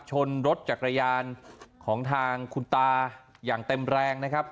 ชนรถจักรยานของทางคุณตาอย่างเต็มแรงนะครับ